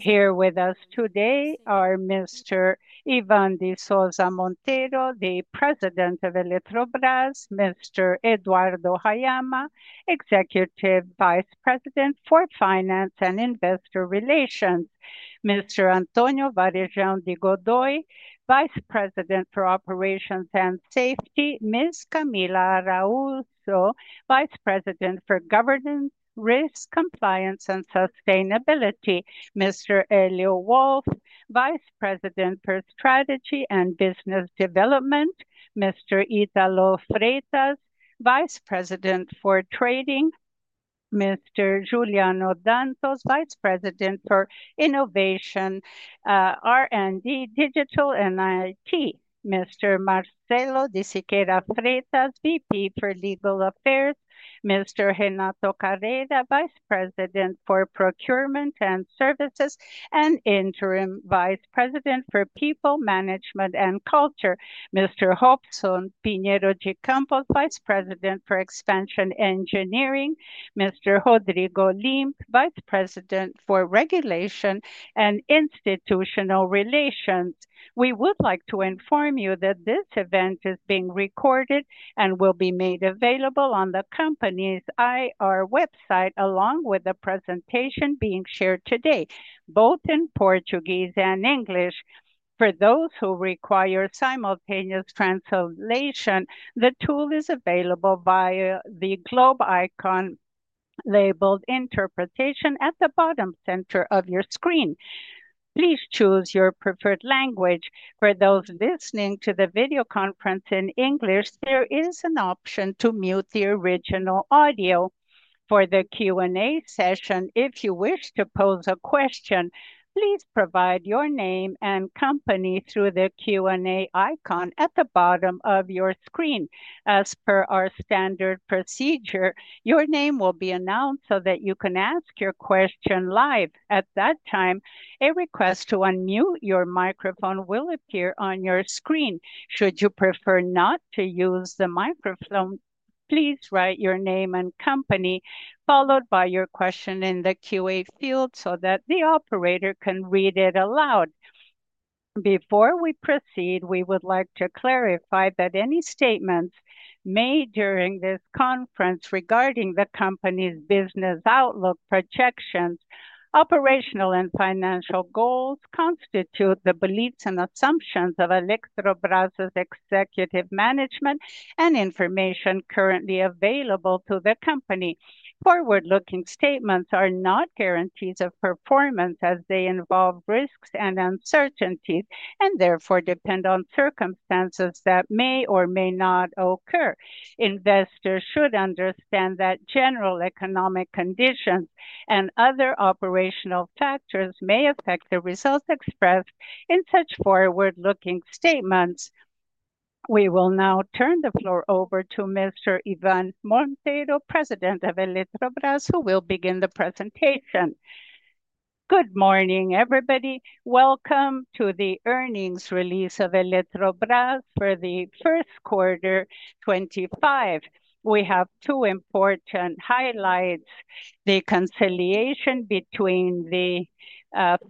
Here with us today are Mr. Ivan de Souza Monteiro, the President of Eletrobrás. Mr. Eduardo Haiama, Executive Vice President for Finance and Investor Relations. Mr. Antonio Varejão de Godoy, Vice President for Operations and Safety. Ms. Camila Araújo, Vice President for Governance, Risk, Compliance, and Sustainability. Mr. Elio Wolff, Vice President for Strategy and Business Development. Mr. Italo Freitas, Vice President for Trading. Mr. Juliano Dantas, Vice President for Innovation, R&D, Digital, and IT. Mr. Marcelo de Siqueira Freitas, Vice President for Legal Affairs. Mr. Renato Carreira, Vice President for Procurement and Services and Interim Vice President for People, Management, and Culture. Mr. Robson Pinheiro de Campos, Vice President for Expansion Engineering. Mr. Rodrigo Limp, Vice President for Regulation and Institutional Relations. We would like to inform you that this event is being recorded and will be made available on the company's IR website, along with the presentation being shared today, both in Portuguese and English. For those who require simultaneous translation, the tool is available via the globe icon labeled "Interpretation" at the bottom center of your screen. Please choose your preferred language. For those listening to the video conference in English, there is an option to mute the original audio. For the Q&A session, if you wish to pose a question, please provide your name and company through the Q&A icon at the bottom of your screen. As per our standard procedure, your name will be announced so that you can ask your question live. At that time, a request to unmute your microphone will appear on your screen. Should you prefer not to use the microphone, please write your name and company, followed by your question in the Q&A field so that the operator can read it aloud. Before we proceed, we would like to clarify that any statements made during this conference regarding the company's business outlook, projections, operational, and financial goals constitute the beliefs and assumptions of Eletrobrás's executive management and information currently available to the company. Forward-looking statements are not guarantees of performance, as they involve risks and uncertainties and therefore depend on circumstances that may or may not occur. Investors should understand that general economic conditions and other operational factors may affect the results expressed in such forward-looking statements. We will now turn the floor over to Mr. Ivan de Souza Monteiro, President of Eletrobrás, who will begin the presentation. Good morning, everybody. Welcome to the earnings release of Eletrobrás for the first quarter, 2025. We have two important highlights: the conciliation between the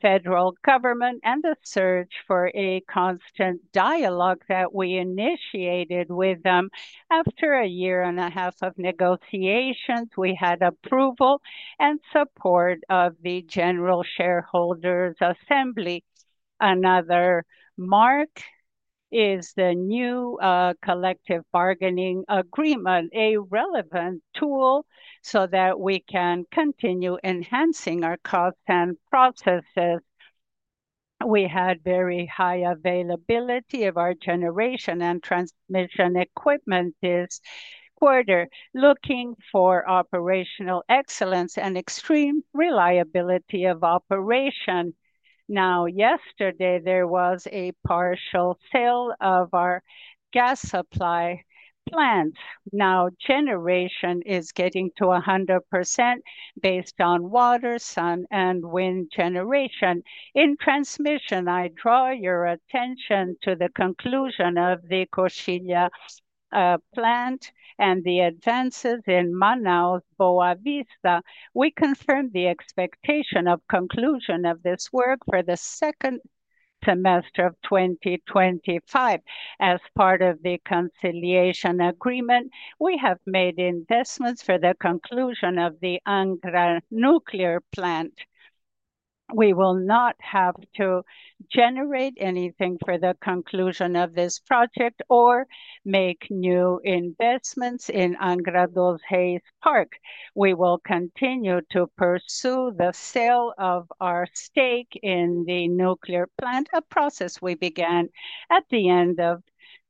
federal government and the search for a constant dialogue that we initiated with them. After a year and a half of negotiations, we had approval and support of the General Shareholders' Assembly. Another mark is the new collective bargaining agreement, a relevant tool so that we can continue enhancing our costs and processes. We had very high availability of our generation and transmission equipment this quarter, looking for operational excellence and extreme reliability of operation. Now, yesterday, there was a partial sale of our gas supply plants. Now, generation is getting to 100% based on water, sun, and wind generation. In transmission, I draw your attention to the conclusion of the Coxinha plant and the advances in Manaus, Boa Vista. We confirmed the expectation of conclusion of this work for the second semester of 2025. As part of the conciliation agreement, we have made investments for the conclusion of the Angra Nuclear Plant. We will not have to generate anything for the conclusion of this project or make new investments in Angra dos Reis Park. We will continue to pursue the sale of our stake in the nuclear plant, a process we began at the end of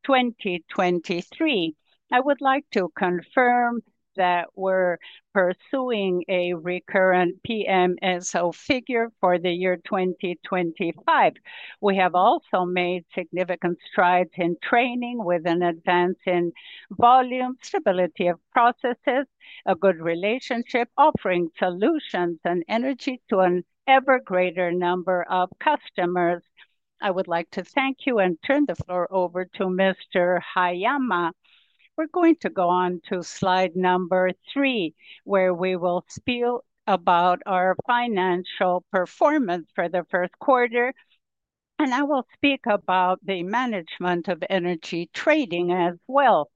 2023. I would like to confirm that we're pursuing a recurrent PMSO figure for the year 2025. We have also made significant strides in training with an advance in volume, stability of processes, a good relationship, offering solutions and energy to an ever greater number of customers. I would like to thank you and turn the floor over to Mr. Haiama. We're going to go on to slide number three, where we will speak about our financial performance for the first quarter, and I will speak about the management of energy trading as well.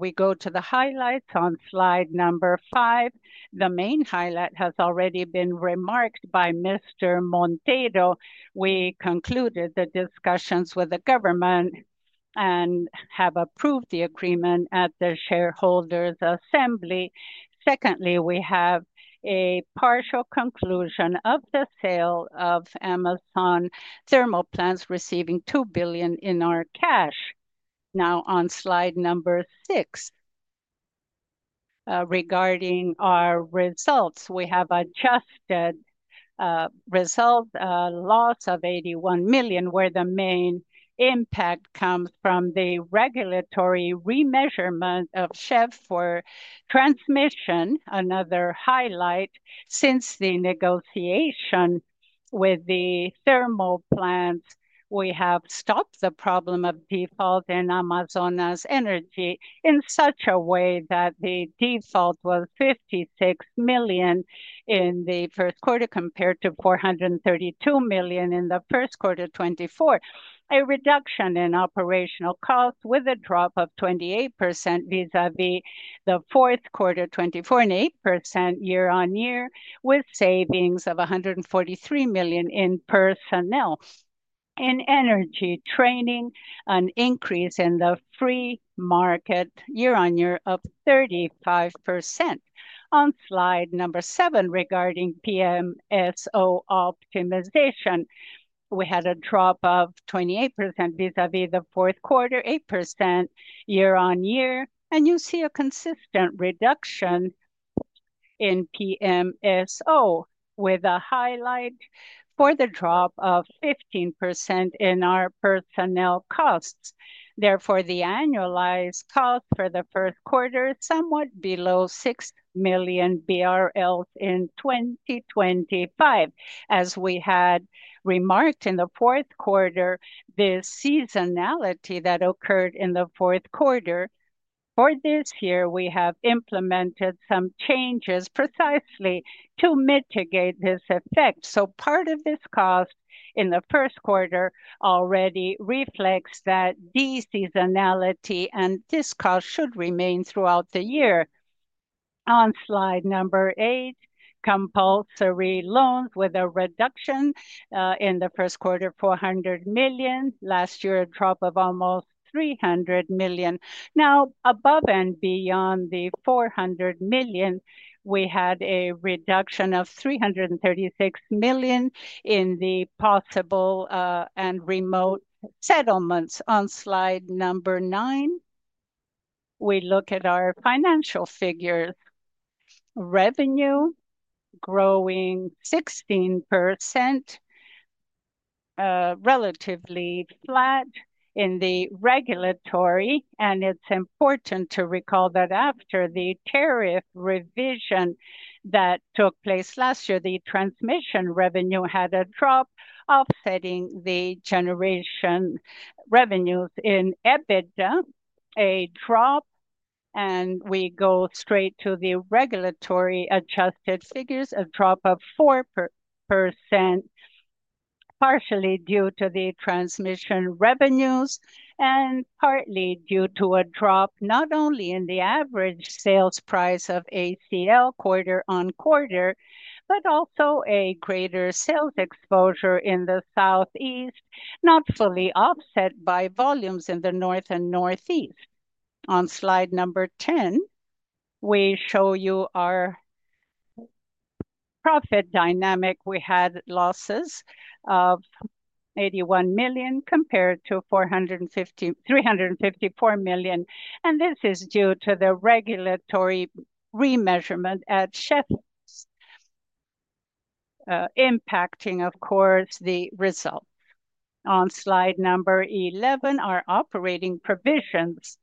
We go to the highlights on slide number five. The main highlight has already been remarked by Mr. Monteiro. We concluded the discussions with the government and have approved the agreement at the shareholders' assembly. Secondly, we have a partial conclusion of the sale of Amazonas thermal plants, receiving 2 billion in our cash. Now, on slide number six, regarding our results, we have adjusted result loss of 81 million, where the main impact comes from the regulatory remeasurement of Chesf for transmission. Another highlight, since the negotiation with the thermal plants, we have stopped the problem of default in Amazonas Energy in such a way that the default was 56 million in the first quarter compared to 432 million in the first quarter 2024. A reduction in operational costs with a drop of 28% vis-à-vis the fourth quarter 2024 and 8% year on year, with savings of 143 million in personnel. In energy training, an increase in the free market year on year of 35%. On slide number seven, regarding PMSO optimization, we had a drop of 28% vis-à-vis the fourth quarter, 8% year on year, and you see a consistent reduction in PMSO, with a highlight for the drop of 15% in our personnel costs. Therefore, the annualized cost for the first quarter is somewhat below 6 million BRL in 2025. As we had remarked in the fourth quarter, the seasonality that occurred in the fourth quarter for this year, we have implemented some changes precisely to mitigate this effect. Part of this cost in the first quarter already reflects that de-seasonality and this cost should remain throughout the year. On slide number eight, compulsory loans with a reduction in the first quarter, 400 million. Last year, a drop of almost 300 million. Now, above and beyond the 400 million, we had a reduction of $336 million in the possible and remote settlements. On slide number nine, we look at our financial figures. Revenue growing 16%, relatively flat in the regulatory, and it's important to recall that after the tariff revision that took place last year, the transmission revenue had a drop, offsetting the generation revenues in EBITDA, a drop, and we go straight to the regulatory adjusted figures, a drop of 4%, partially due to the transmission revenues and partly due to a drop not only in the average sales price of ACL quarter-on quarter, but also a greater sales exposure in the southeast, not fully offset by volumes in the north and northeast. On slide number 10, we show you our profit dynamic. We had losses of 81 million compared to 354 million, and this is due to the regulatory remeasurement at Chesf, impacting, of course, the results. On slide number 11, our operating provisions.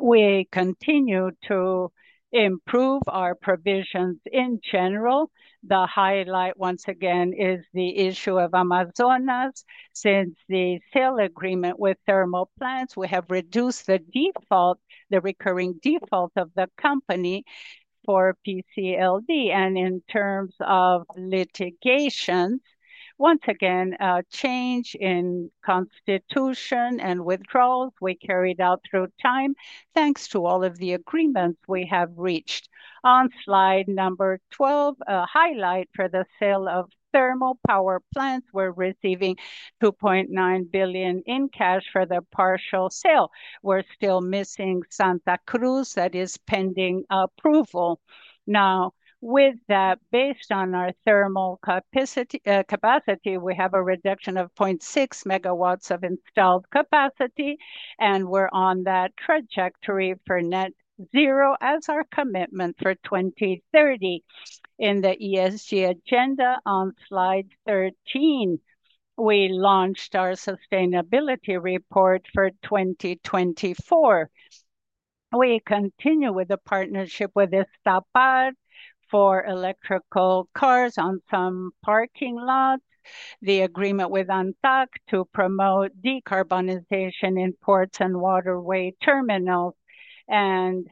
We continue to improve our provisions in general. The highlight, once again, is the issue of Amazonas. Since the sale agreement with thermal plants, we have reduced the recurring default of the company for PCLD. In terms of litigations, once again, a change in constitution and withdrawals we carried out through time, thanks to all of the agreements we have reached. On slide number 12, a highlight for the sale of thermal power plants. We're receiving 2.9 billion in cash for the partial sale. We're still missing Santa Cruz that is pending approval. Now, with that, based on our thermal capacity, we have a reduction of 0.6 MW of installed capacity, and we're on that trajectory for net zero as our commitment for 2030. In the ESG agenda, on slide 13, we launched our sustainability report for 2024. We continue with the partnership with Estapar for electrical cars on some parking lots, the agreement with Antak to promote decarbonization in ports and waterway terminals. In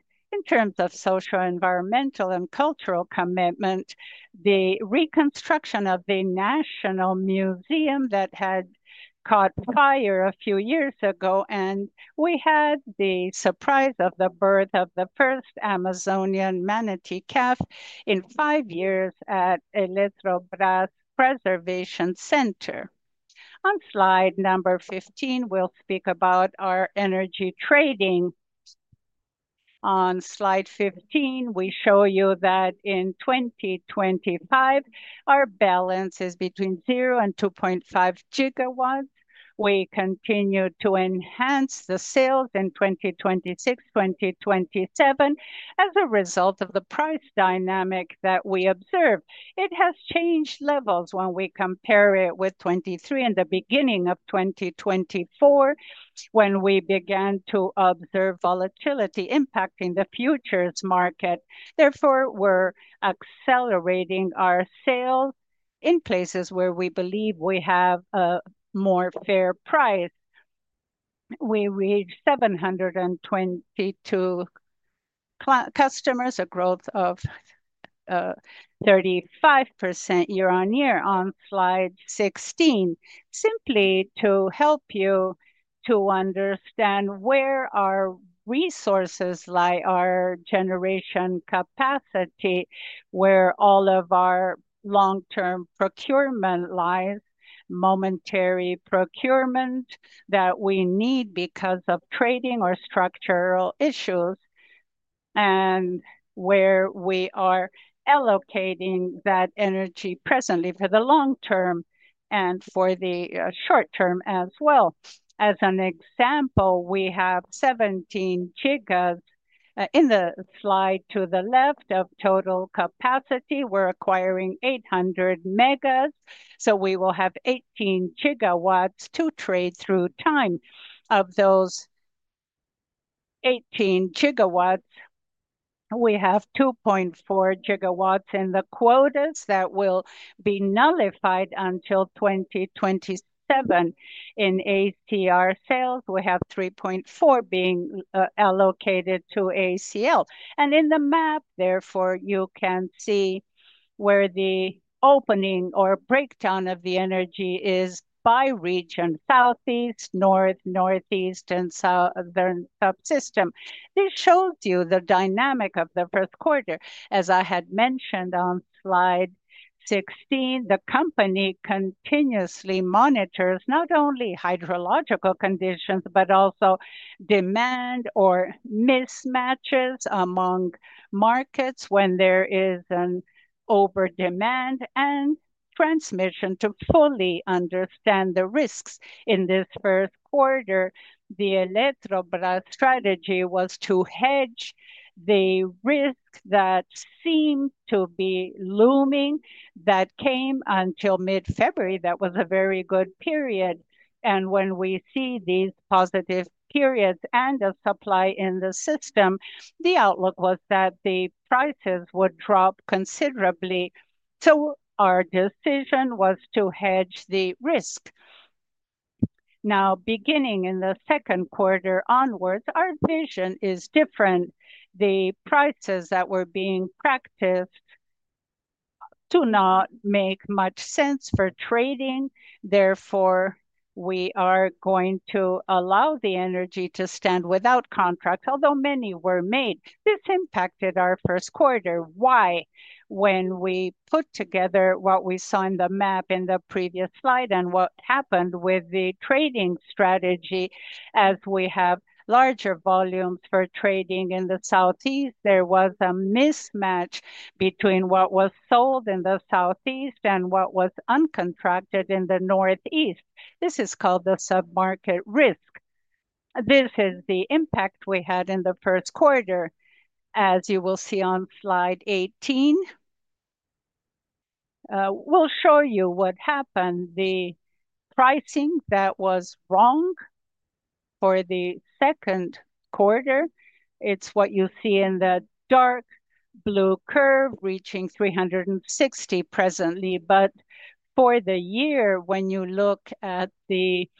terms of social, environmental, and cultural commitment, the reconstruction of the National Museum that had caught fire a few years ago, and we had the surprise of the birth of the first Amazonian manatee calf in five years at Eletrobrás Preservation Center. On slide number 15, we will speak about our energy trading. On slide 15, we show you that in 2025, our balance is between zero and 2.5 GW. We continue to enhance the sales in 2026, 2027 as a result of the price dynamic that we observe. It has changed levels when we compare it with 2023 and the beginning of 2024 when we began to observe volatility impacting the futures market. Therefore, we're accelerating our sales in places where we believe we have a more fair price. We reached 722 customers, a growth of 35% year-on-year on slide 16. Simply to help you to understand where our resources lie, our generation capacity, where all of our long-term procurement lies, momentary procurement that we need because of trading or structural issues, and where we are allocating that energy presently for the long term and for the short term as well. As an example, we have 17 GW in the slide to the left of total capacity. We're acquiring 800 MW, so we will have 18 GW to trade through time. Of those 18 GW, we have 2.4 GW in the quotas that will be nullified until 2027. In ACR sales, we have 3.4 being allocated to ACL. In the map, therefore, you can see where the opening or breakdown of the energy is by region: Southeast, North, Northeast, and Southern subsystem. This shows you the dynamic of the first quarter. As I had mentioned on slide 16, the company continuously monitors not only hydrological conditions, but also demand or mismatches among markets when there is an over-demand and transmission. To fully understand the risks in this first quarter, the Eletrobrás strategy was to hedge the risk that seemed to be looming that came until mid-February. That was a very good period. When we see these positive periods and a supply in the system, the outlook was that the prices would drop considerably. Our decision was to hedge the risk. Now, beginning in the second quarter onwards, our vision is different. The prices that were being practiced do not make much sense for trading. Therefore, we are going to allow the energy to stand without contracts, although many were made. This impacted our first quarter. Why? When we put together what we saw in the map in the previous slide and what happened with the trading strategy, as we have larger volumes for trading in the Southeast, there was a mismatch between what was sold in the Southeast and what was uncontracted in the Northeast. This is called the submarket risk. This is the impact we had in the first quarter, as you will see on slide 18. We will show you what happened. The pricing that was wrong for the second quarter, it is what you see in the dark blue curve reaching 360 presently. For the year, when you look at the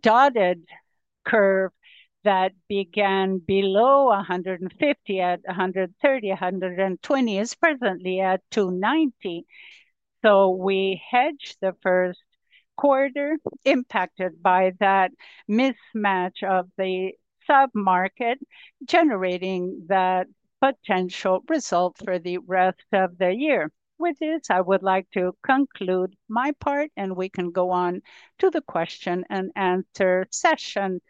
dotted curve that began below 150 at 130, 120 is presently at 290. We hedged the first quarter, impacted by that mismatch of the submarket generating that potential result for the rest of the year. With this, I would like to conclude my part, and we can go on to the question and answer session.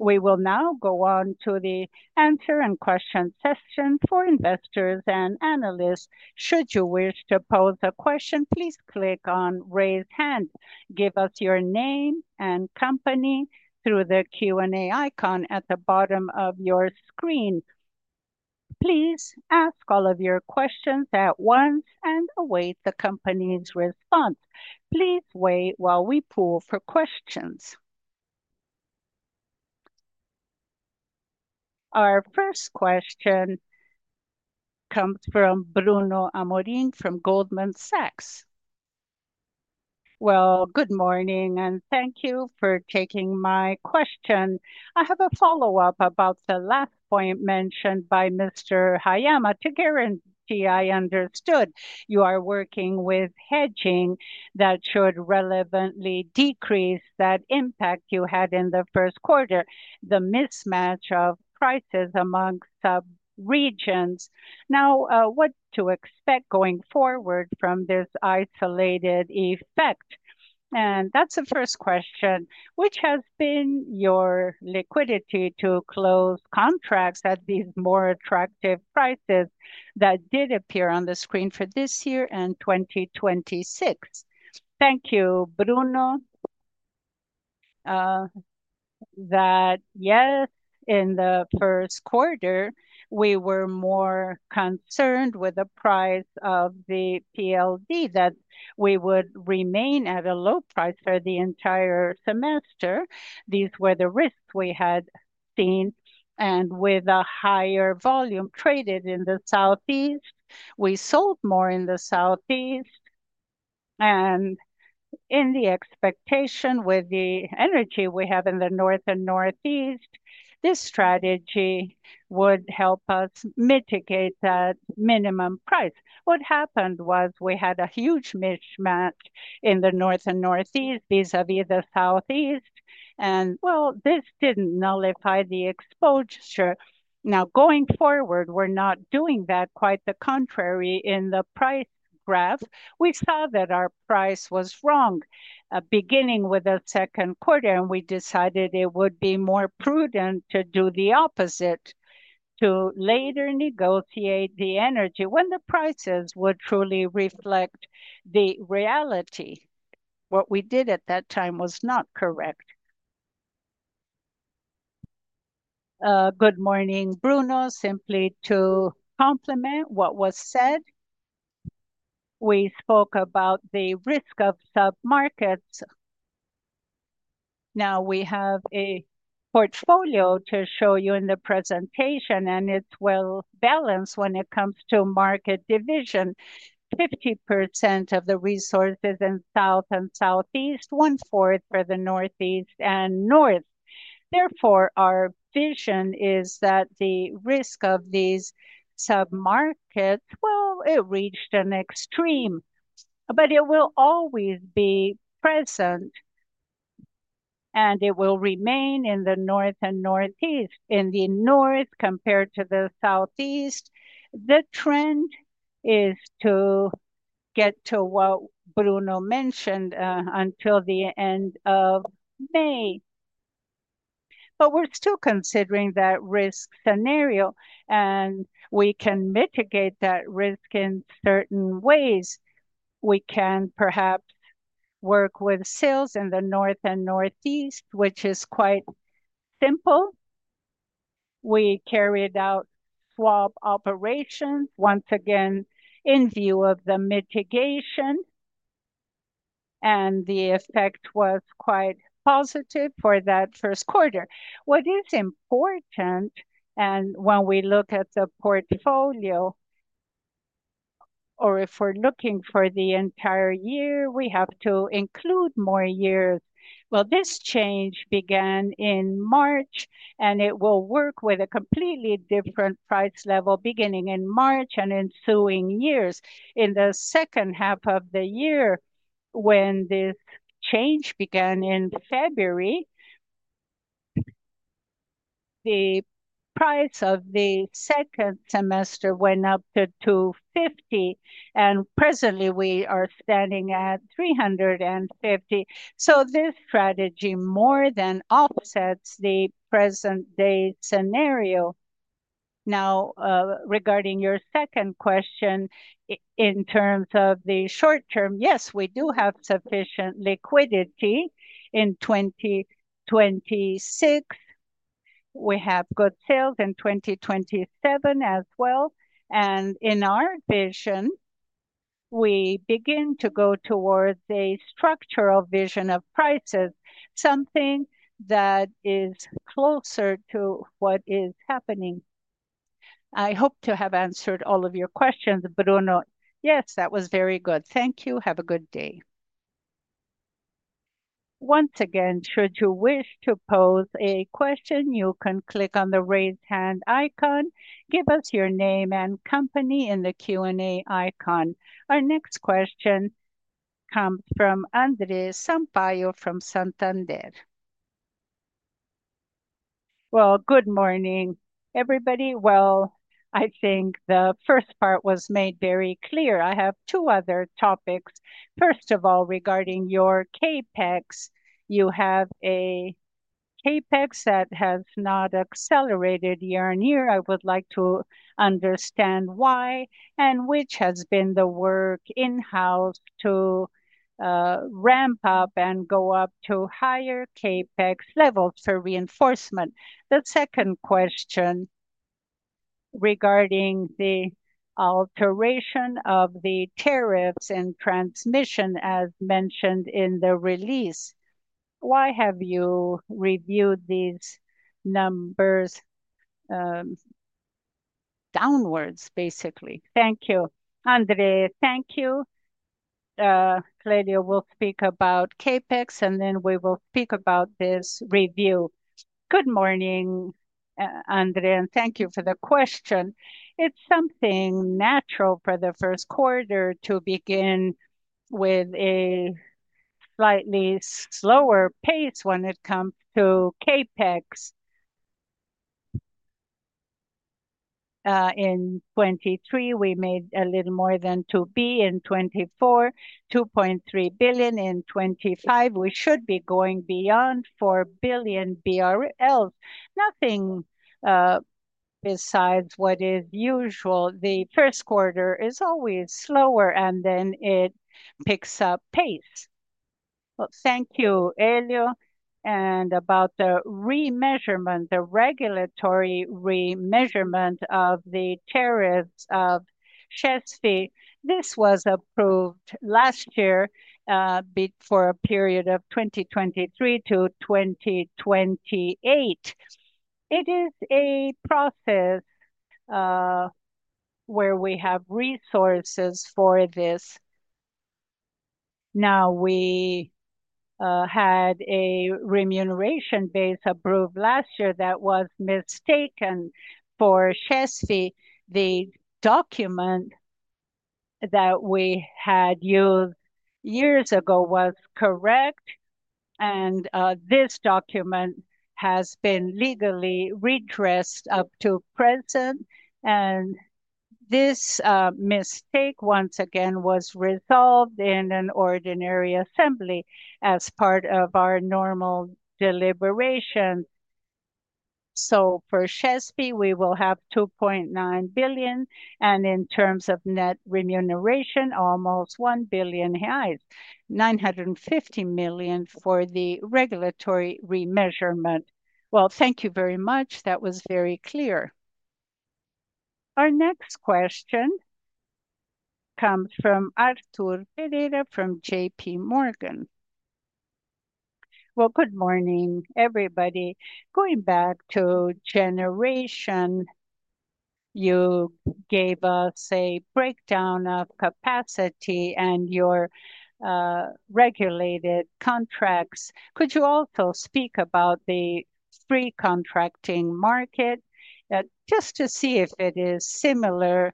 We will now go on to the answer and question session for investors and analysts. Should you wish to pose a question, please click on "Raise Hand." Give us your name and company through the Q&A icon at the bottom of your screen. Please ask all of your questions at once and await the company's response. Please wait while we pool for questions. Our first question comes from Bruno Amorim from Goldman Sachs. Good morning, and thank you for taking my question. I have a follow-up about the last point mentioned by Mr. Haiama. To guarantee I understood, you are working with hedging that should relevantly decrease that impact you had in the first quarter, the mismatch of prices among subregions. What to expect going forward from this isolated effect? That is the first question. Which has been your liquidity to close contracts at these more attractive prices that did appear on the screen for this year and 2026? Thank you, Bruno. Yes, in the first quarter, we were more concerned with the price of the PLD, that we would remain at a low price for the entire semester. These were the risks we had seen. With a higher volume traded in the southeast, we sold more in the southeast. In the expectation with the energy we have in the north and northeast, this strategy would help us mitigate that minimum price. What happened was we had a huge mismatch in the North and Northeast vis-à-vis the Southeast. This did not nullify the exposure. Now, going forward, we're not doing that. Quite the contrary. In the price graph, we saw that our price was wrong beginning with the second quarter, and we decided it would be more prudent to do the opposite, to later negotiate the energy when the prices would truly reflect the reality. What we did at that time was not correct. Good morning, Bruno. Simply to complement what was said, we spoke about the risk of submarkets. Now, we have a portfolio to show you in the presentation, and it's well balanced when it comes to market division. 50% of the resources in South and Southeast, one fourth for the Northeast and North. Therefore, our vision is that the risk of these submarkets, well, it reached an extreme, but it will always be present, and it will remain in the North and Northeast. In the North, compared to the Southeast, the trend is to get to what Bruno mentioned until the end of May. We are still considering that risk scenario, and we can mitigate that risk in certain ways. We can perhaps work with sales in the North and Northeast, which is quite simple. We carried out swap operations once again in view of the mitigation, and the effect was quite positive for that first quarter. What is important, and when we look at the portfolio, or if we are looking for the entire year, we have to include more years. This change began in March, and it will work with a completely different price level beginning in March and ensuing years. In the second half of the year, when this change began in February, the price of the second semester went up to 250, and presently, we are standing at 350. This strategy more than offsets the present-day scenario. Now, regarding your second question, in terms of the short term, yes, we do have sufficient liquidity in 2026. We have good sales in 2027 as well. In our vision, we begin to go towards a structural vision of prices, something that is closer to what is happening. I hope to have answered all of your questions, Bruno. Yes, that was very good. Thank you. Have a good day. Once again, should you wish to pose a question, you can click on the raise hand icon, give us your name and company in the Q&A icon. Our next question comes from Andre Sampaio from Santander. Good morning, everybody. I think the first part was made very clear. I have two other topics. First of all, regarding your CapEx, you have a CapEx that has not accelerated year on year. I would like to understand why and which has been the work in-house to ramp up and go up to higher CapEx levels for reinforcement. The second question regarding the alteration of the tariffs and transmission, as mentioned in the release. Why have you reviewed these numbers downwards, basically? Thank you. André, thank you. Elio will speak about CapEx, and then we will speak about this review. Good morning, Andre, and thank you for the question. It's something natural for the first quarter to begin with a slightly slower pace when it comes to CapEx. In 2023, we made a little more than 2 billion; in 2024, 2.3 billion; in 2025, we should be going beyond 4 billion BRL. Nothing besides what is usual. The first quarter is always slower, and then it picks up pace. Thank you, Elio. About the remeasurement, the regulatory remeasurement of the tariffs of Chesf, this was approved last year for a period of 2023 to 2028. It is a process where we have resources for this. Now, we had a remuneration base approved last year that was mistaken for Chesf. The document that we had used years ago was correct, and this document has been legally redressed up to present. This mistake, once again, was resolved in an ordinary assembly as part of our normal deliberation. For Chesf, we will have 2.9 billion. In terms of net remuneration, almost 1 billion, 950 million for the regulatory remeasurement. Thank you very much. That was very clear. Our next question comes from Arthur Ferreira from JP Morgan. Good morning, everybody. Going back to generation, you gave us a breakdown of capacity and your regulated contracts. Could you also speak about the free contracting market? Just to see if it is similar,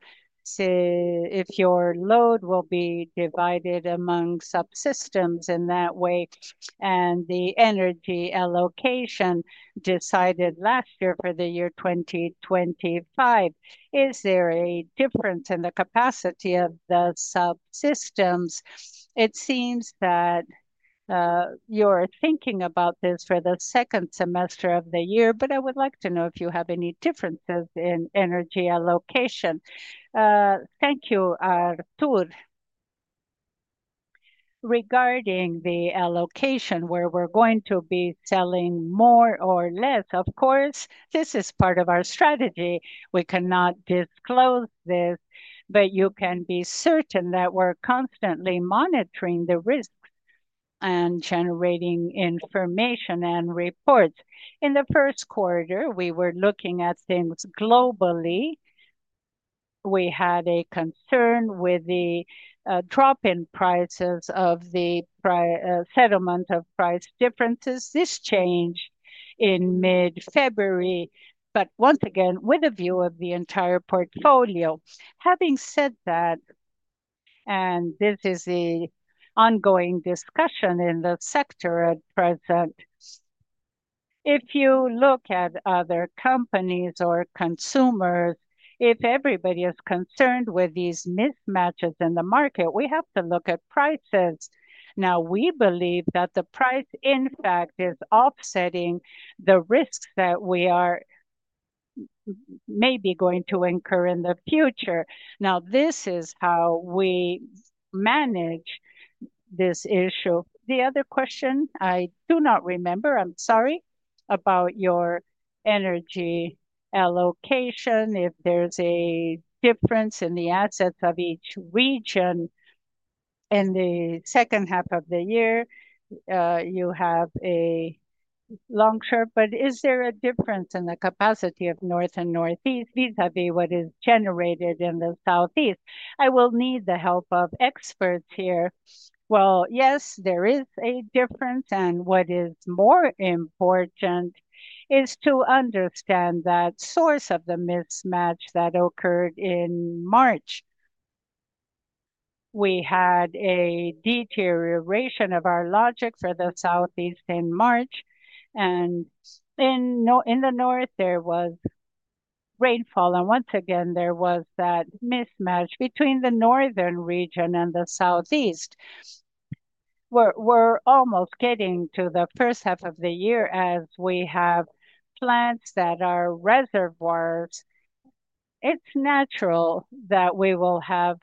if your load will be divided among subsystems in that way, and the energy allocation decided last year for the year 2025. Is there a difference in the capacity of the subsystems? It seems that you're thinking about this for the second semester of the year, but I would like to know if you have any differences in energy allocation. Thank you, Arthur. Regarding the allocation, where we're going to be selling more or less, of course, this is part of our strategy. We cannot disclose this, but you can be certain that we're constantly monitoring the risks and generating information and reports. In the first quarter, we were looking at things globally. We had a concern with the drop in prices of the settlement of price differences, this change in mid-February, but once again, with a view of the entire portfolio. Having said that, and this is the ongoing discussion in the sector at present, if you look at other companies or consumers, if everybody is concerned with these mismatches in the market, we have to look at prices. Now, we believe that the price, in fact, is offsetting the risks that we are maybe going to incur in the future. Now, this is how we manage this issue. The other question, I do not remember. I'm sorry about your energy allocation. If there's a difference in the assets of each region in the second half of the year, you have a long term, but is there a difference in the capacity of North and Northeast vis-à-vis what is generated in the Southeast? I will need the help of experts here. Yes, there is a difference. What is more important is to understand that source of the mismatch that occurred in March. We had a deterioration of our logic for the Southeast in March. In the North, there was rainfall. Once again, there was that mismatch between the Northern region and the Southeast. We're almost getting to the first half of the year. As we have plants that are reservoirs, it's natural that we will have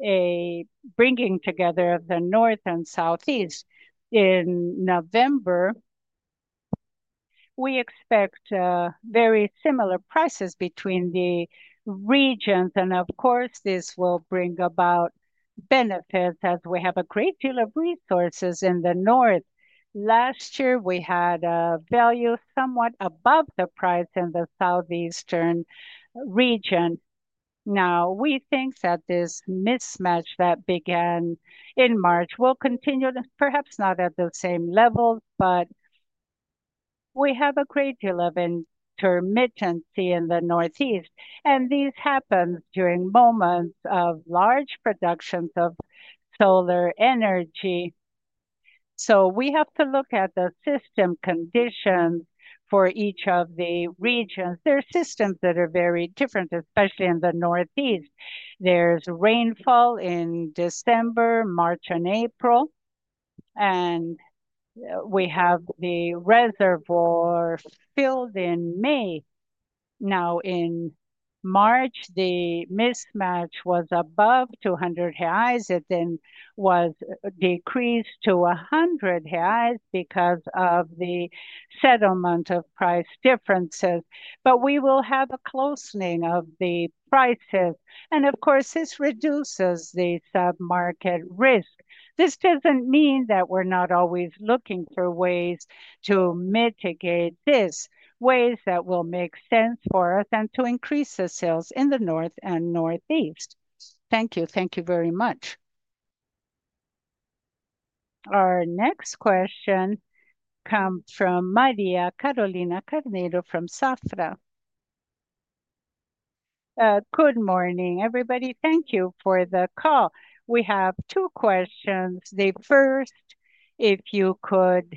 a bringing together of the North and Southeast. In November, we expect very similar prices between the regions. Of course, this will bring about benefits as we have a great deal of resources in the North. Last year, we had a value somewhat above the price in the Southeastern region. Now, we think that this mismatch that began in March will continue, perhaps not at the same level, but we have a great deal of intermittency in the Northeast. These happen during moments of large productions of solar energy. We have to look at the system conditions for each of the regions. There are systems that are very different, especially in the Northeast. There is rainfall in December, March, and April. We have the reservoir filled in May. In March, the mismatch was above 200 reais. It then was decreased to 100 reais because of the settlement of price differences. We will have a closening of the prices. Of course, this reduces the submarket risk. This does not mean that we are not always looking for ways to mitigate this, ways that will make sense for us and to increase the sales in the North and Northeast. Thank you. Thank you very much. Our next question comes from Maria Carolina Carneiro from Safra. Good morning, everybody. Thank you for the call. We have two questions. The first, if you could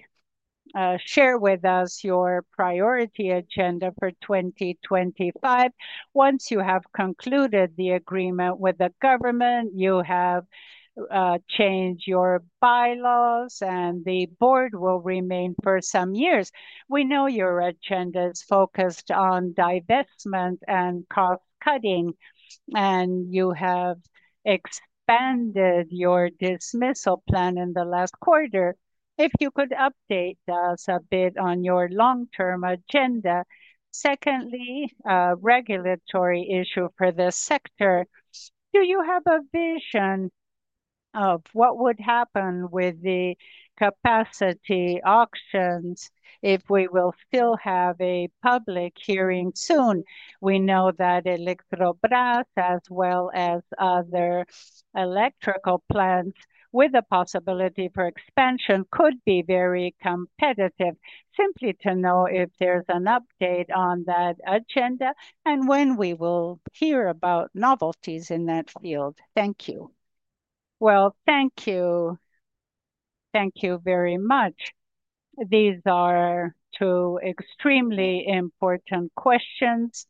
share with us your priority agenda for 2025. Once you have concluded the agreement with the government, you have changed your bylaws, and the board will remain for some years. We know your agenda is focused on divestment and cost cutting, and you have expanded your dismissal plan in the last quarter. If you could update us a bit on your long-term agenda. Secondly, a regulatory issue for the sector. Do you have a vision of what would happen with the capacity auctions if we will still have a public hearing soon? We know that Eletrobrás, as well as other electrical plants with the possibility for expansion, could be very competitive. Simply to know if there's an update on that agenda and when we will hear about novelties in that field. Thank you. Thank you very much. These are two extremely important questions.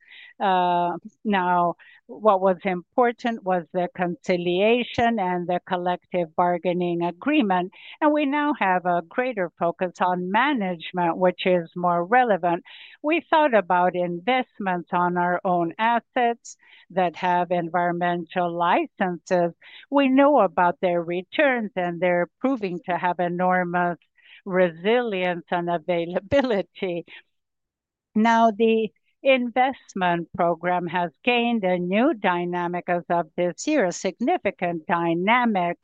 What was important was the conciliation and the collective bargaining agreement. We now have a greater focus on management, which is more relevant. We thought about investments on our own assets that have environmental licenses. We know about their returns, and they're proving to have enormous resilience and availability. The investment program has gained a new dynamic as of this year, a significant dynamic.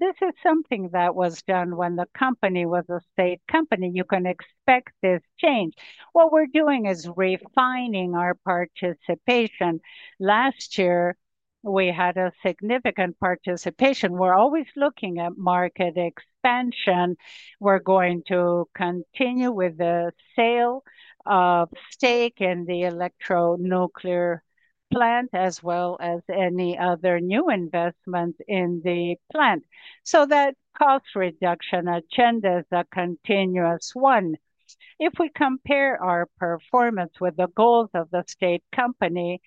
This is something that was done when the company was a state company. You can expect this change. What we're doing is refining our participation. Last year, we had a significant participation. We're always looking at market expansion. We're going to continue with the sale of stake in the Electronuclear plant, as well as any other new investments in the plant. That cost reduction agenda is a continuous one. If we compare our performance with the goals of the state company,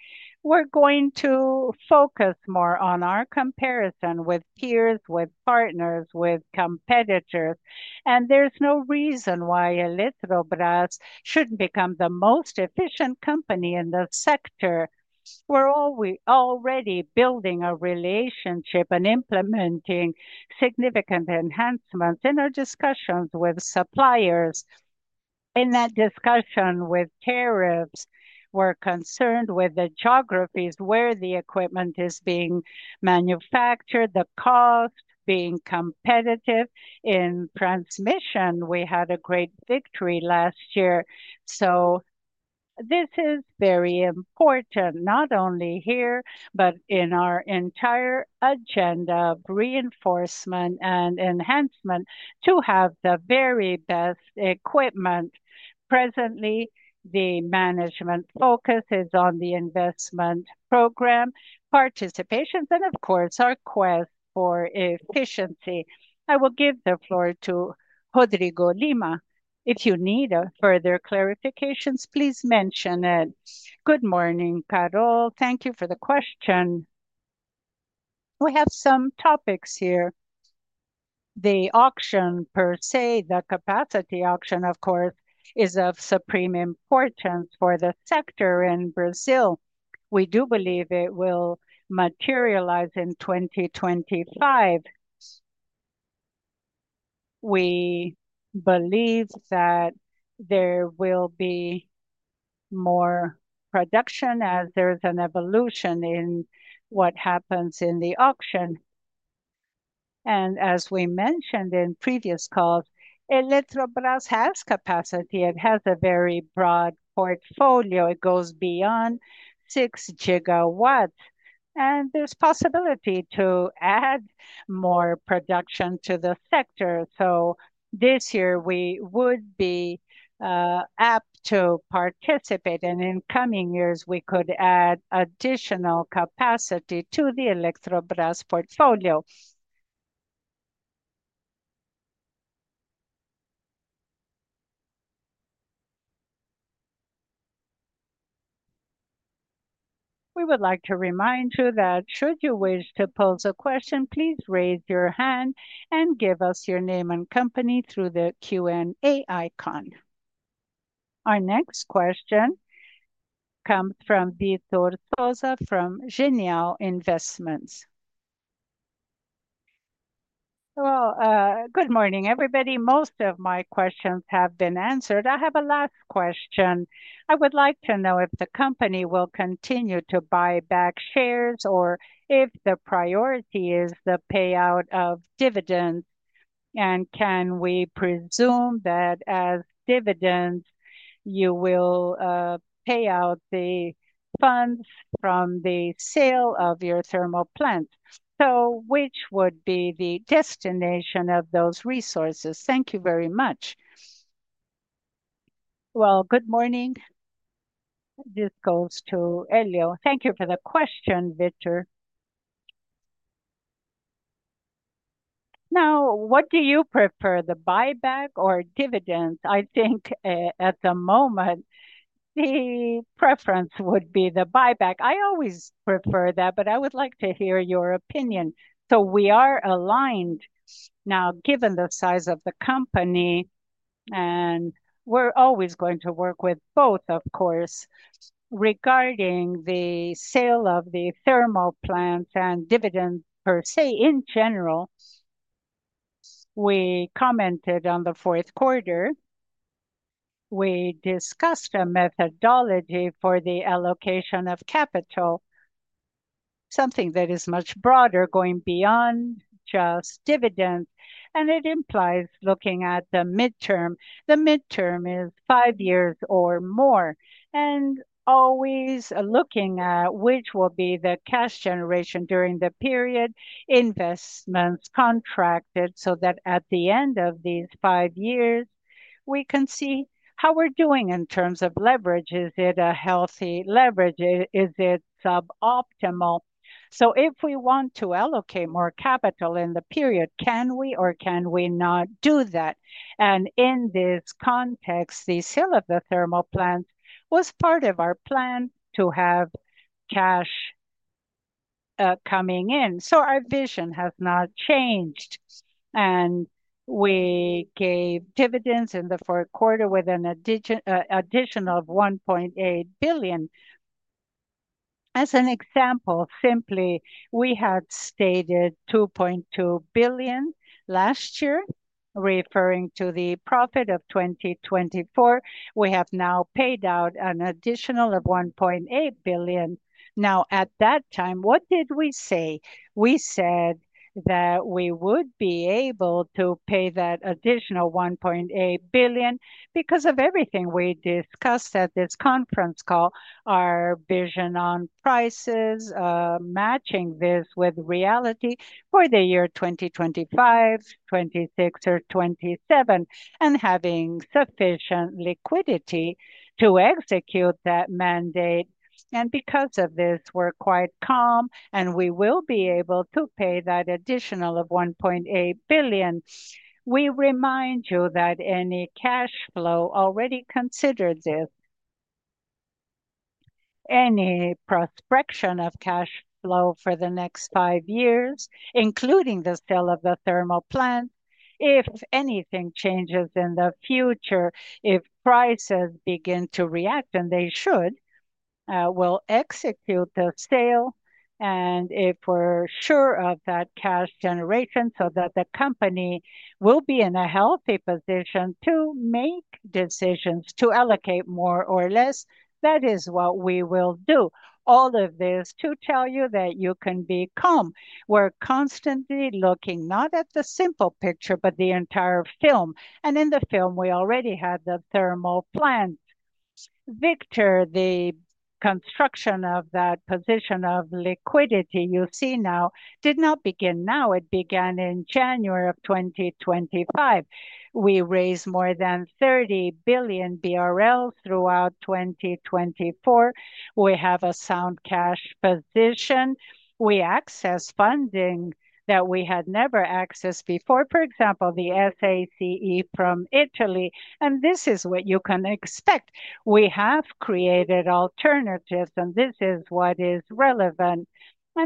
we're going to focus more on our comparison with peers, with partners, with competitors. There's no reason why Eletrobrás shouldn't become the most efficient company in the sector. We're already building a relationship and implementing significant enhancements in our discussions with suppliers. In that discussion with tariffs, we're concerned with the geographies where the equipment is being manufactured, the cost being competitive in transmission. We had a great victory last year. This is very important, not only here, but in our entire agenda of reinforcement and enhancement to have the very best equipment. Presently, the management focus is on the investment program, participations, and of course, our quest for efficiency. I will give the floor to Rodrigo Limp. If you need further clarifications, please mention it. Good morning, Carol. Thank you for the question. We have some topics here. The auction per se, the capacity auction, of course, is of supreme importance for the sector in Brazil. We do believe it will materialize in 2025. We believe that there will be more production as there is an evolution in what happens in the auction. As we mentioned in previous calls, Eletrobrás has capacity. It has a very broad portfolio. It goes beyond 6 gigawatts. There is possibility to add more production to the sector. This year, we would be apt to participate. In coming years, we could add additional capacity to the Eletrobrás portfolio. I would like to remind you that should you wish to pose a question, please raise your hand and give us your name and company through the Q&A icon. Our next question comes from Vitor Sousa from Genial Investments. Good morning, everybody. Most of my questions have been answered. I have a last question. I would like to know if the company will continue to buy back shares or if the priority is the payout of dividends. Can we presume that as dividends, you will pay out the funds from the sale of your thermal plants? Which would be the destination of those resources? Thank you very much. Good morning. This goes to Elio. Thank you for the question, Vitor. Now, what do you prefer, the buyback or dividends? I think at the moment, the preference would be the buyback. I always prefer that, but I would like to hear your opinion. We are aligned now, given the size of the company, and we are always going to work with both, of course. Regarding the sale of the thermal plants and dividends per se, in general, we commented on the fourth quarter. We discussed a methodology for the allocation of capital, something that is much broader, going beyond just dividends. It implies looking at the midterm. The midterm is five years or more. Always looking at which will be the cash generation during the period, investments contracted so that at the end of these five years, we can see how we are doing in terms of leverage. Is it a healthy leverage? Is it suboptimal? If we want to allocate more capital in the period, can we or can we not do that? In this context, the sale of the thermal plants was part of our plan to have cash coming in. Our vision has not changed. We gave dividends in the fourth quarter with an additional 1.8 billion. As an example, simply, we had stated 2.2 billion last year, referring to the profit of 2024. We have now paid out an additional 1.8 billion. At that time, what did we say? We said that we would be able to pay that additional 1.8 billion because of everything we discussed at this conference call, our vision on prices, matching this with reality for the year 2025, 2026, or 2027, and having sufficient liquidity to execute that mandate. Because of this, we're quite calm, and we will be able to pay that additional 1.8 billion. We remind you that any cash flow already considered this, any prospection of cash flow for the next five years, including the sale of the thermal plants. If anything changes in the future, if prices begin to react, and they should, we'll execute the sale. If we're sure of that cash generation so that the company will be in a healthy position to make decisions to allocate more or less, that is what we will do. All of this to tell you that you can be calm. We're constantly looking not at the simple picture, but the entire film. In the film, we already had the thermal plant. Victor, the construction of that position of liquidity you see now did not begin now. It began in January of 2025. We raised more than 30 billion BRL throughout 2024. We have a sound cash position. We access funding that we had never accessed before. For example, the SACE from Italy. This is what you can expect. We have created alternatives, and this is what is relevant.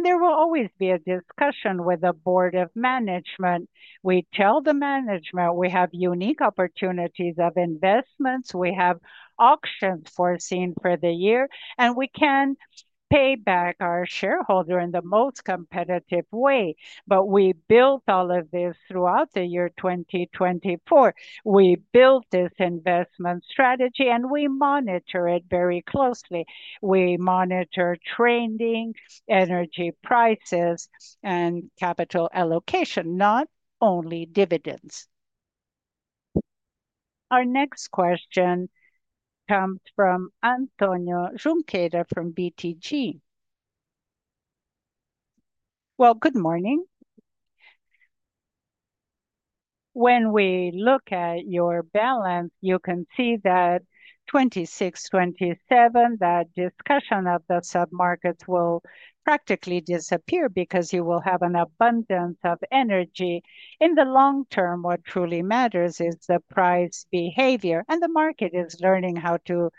There will always be a discussion with the board of management. We tell the management we have unique opportunities of investments. We have auctions foreseen for the year, and we can pay back our shareholder in the most competitive way. We built all of this throughout the year 2024. We built this investment strategy, and we monitor it very closely. We monitor trending, energy prices, and capital allocation, not only dividends. Our next question comes from Antonio Junqueira from BTG. Good morning. When we look at your balance, you can see that 2026, 2027, that discussion of the submarkets will practically disappear because you will have an abundance of energy. In the long term, what truly matters is the price behavior. The market is learning how to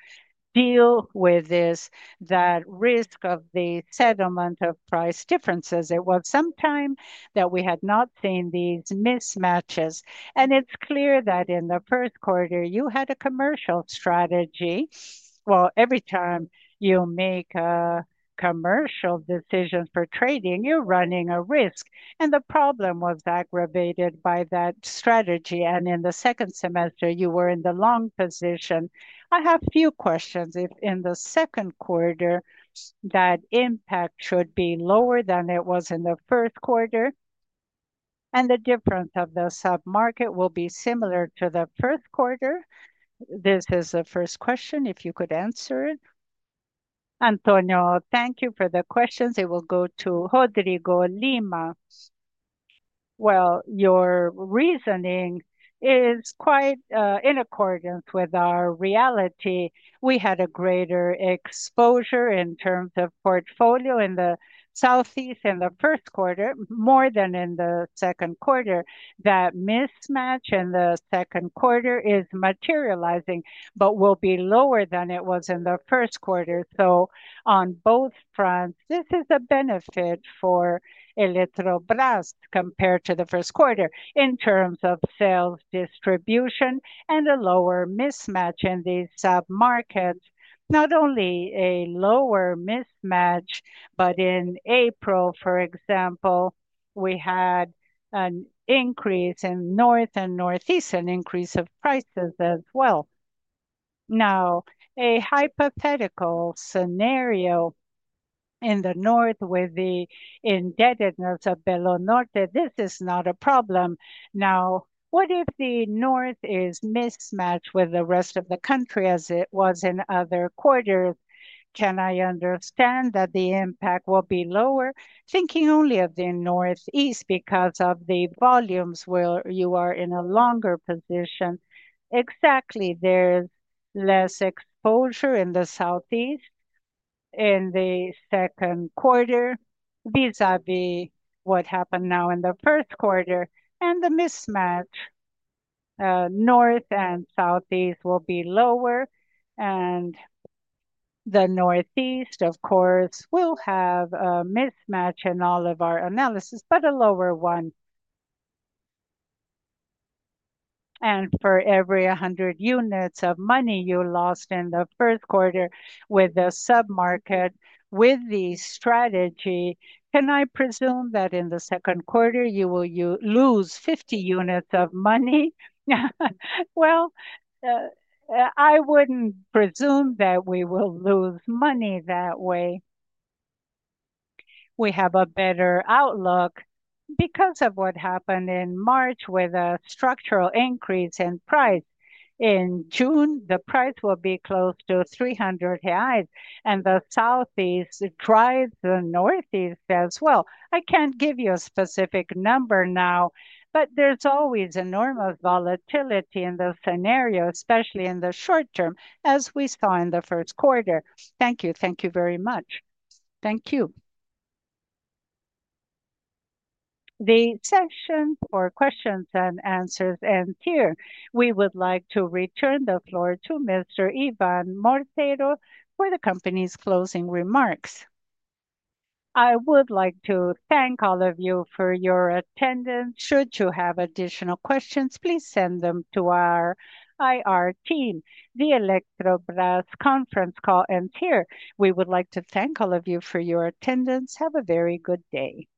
deal with this, that risk of the settlement of price differences. It was some time that we had not seen these mismatches. It is clear that in the first quarter, you had a commercial strategy. Every time you make a commercial decision for trading, you're running a risk. The problem was aggravated by that strategy. In the second semester, you were in the long position. I have a few questions. If in the second quarter, that impact should be lower than it was in the first quarter, and the difference of the submarket will be similar to the first quarter, this is the first question, if you could answer it. Antonio, thank you for the questions. It will go to Rodrigo Limp. Your reasoning is quite in accordance with our reality. We had a greater exposure in terms of portfolio in the Southeast in the first quarter more than in the second quarter. That mismatch in the second quarter is materializing, but will be lower than it was in the first quarter. On both fronts, this is a benefit for Eletrobrás compared to the first quarter in terms of sales distribution and a lower mismatch in these submarkets. Not only a lower mismatch, but in April, for example, we had an increase in North and Northeastern increase of prices as well. Now, a hypothetical scenario in the North with the indebtedness of Belo Norte, this is not a problem. Now, what if the North is mismatched with the rest of the country as it was in other quarters? Can I understand that the impact will be lower? Thinking only of the Northeast because of the volumes, where you are in a longer position. Exactly. There is less exposure in the Southeast in the second quarter vis-à-vis what happened now in the first quarter. The mismatch, North and Southeast, will be lower. The Northeast, of course, will have a mismatch in all of our analysis, but a lower one. For every 100 units of money you lost in the first quarter with the submarket, with the strategy, can I presume that in the second quarter, you will lose 50 units of money? I would not presume that we will lose money that way. We have a better outlook because of what happened in March with a structural increase in price. In June, the price will be close to 300 reais highs. The Southeast drives the Northeast as well. I cannot give you a specific number now, but there is always enormous volatility in the scenario, especially in the short term, as we saw in the first quarter. Thank you. Thank you very much. Thank you. The session for questions and answers ends here. We would like to return the floor to Mr. Ivan de Souza Monteiro for the company's closing remarks. I would like to thank all of you for your attendance. Should you have additional questions, please send them to our IR team. The Eletrobrás conference call ends here. We would like to thank all of you for your attendance. Have a very good day.